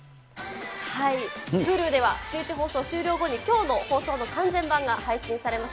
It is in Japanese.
Ｈｕｌｕではシューイチ放送終了後にきょうの放送の完全版が配信されます。